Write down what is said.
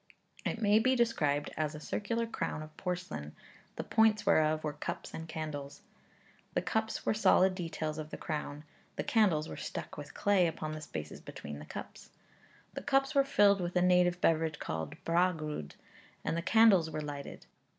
It may be described as a circular crown of porcelain, the points whereof were cups and candles. The cups were solid details of the crown: the candles were stuck with clay upon the spaces between the cups. The cups were filled with a native beverage called bragawd, and the candles were lighted.